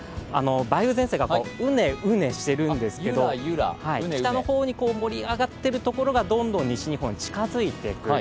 梅雨前線がうねうねしてるんですけど北の方に盛り上がっているところがどんどん西日本に近づいてくる。